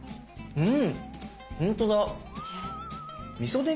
うん。